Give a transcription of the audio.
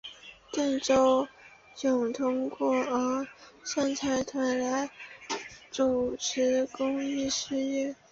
郑周永通过峨山财团来支持公益事业。